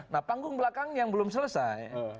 nah panggung belakang yang belum selesai